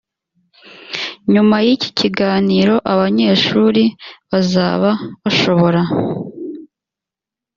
nyuma y iki kiganiro abanyeshuri bazaba bashobora